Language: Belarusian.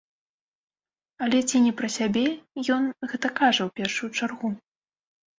Але ці не пра сябе ён гэта кажа ў першую чаргу?